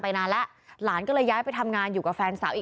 นานแล้วหลานก็เลยย้ายไปทำงานอยู่กับแฟนสาวอีก